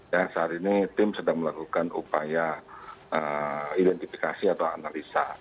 dan saat ini tim sedang melakukan upaya identifikasi atau analisa